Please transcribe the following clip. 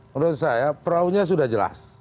menurut saya peraunya sudah jelas